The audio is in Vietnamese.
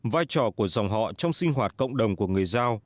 vai trò của dòng họ trong sinh hoạt cộng đồng của người giao